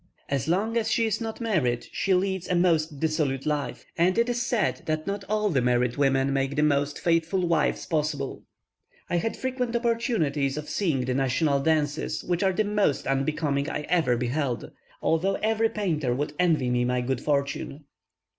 As long as she is not married she leads a most dissolute life, and it is said that not all the married women make the most faithful wives possible. I had frequent opportunities of seeing the national dances, which are the most unbecoming I ever beheld, although every painter would envy me my good fortune.